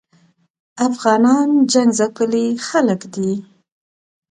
افغانان جنګ ځپلي خلګ دي